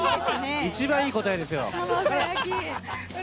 一番いい答えですよ。